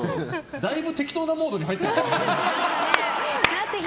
だいぶ適当なモードに入ってますね。